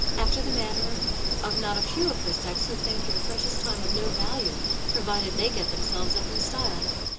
after the manner of not a few of her sex who think your pre cious time of no value provided they get themselves up in style.